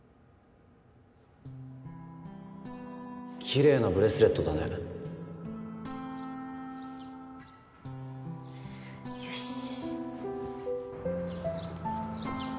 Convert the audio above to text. きれいなブレスレットだねよし。